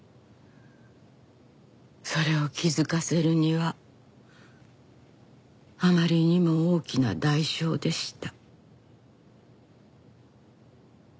それを気づかせるにはあまりにも大きな代償でした。